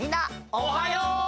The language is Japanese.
おはよう！